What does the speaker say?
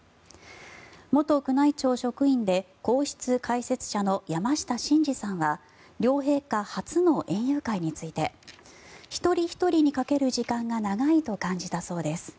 元宮内庁職員で皇室解説者の山下晋司さんは両陛下初の園遊会について一人ひとりにかける時間が長いと感じたそうです。